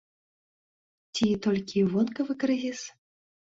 Ці толькі вонкавы крызіс?